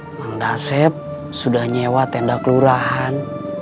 bang dasep sudah nyewa tenda kelurahan